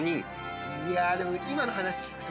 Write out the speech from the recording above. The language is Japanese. いやでも。